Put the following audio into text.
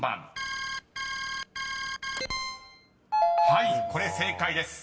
［はいこれ正解です。